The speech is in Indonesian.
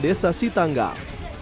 dari desa sitanggal